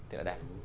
thì là đẹp